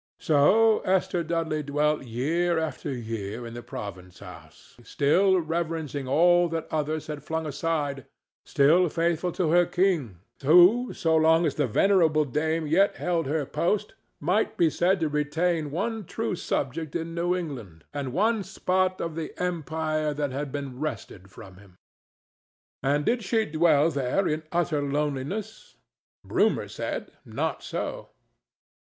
So Esther Dudley dwelt year after year in the province house, still reverencing all that others had flung aside, still faithful to her king, who, so long as the venerable dame yet held her post, might be said to retain one true subject in New England and one spot of the empire that had been wrested from him. And did she dwell there in utter loneliness? Rumor said, "Not so."